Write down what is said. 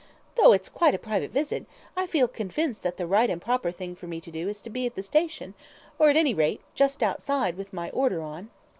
Though it's quite a private visit, I feel convinced that the right and proper thing for me to do is to be at the station, or, at any rate, just outside, with my Order on.